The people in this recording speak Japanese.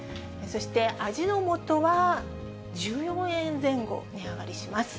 そして味の素は１４円前後値上がりします。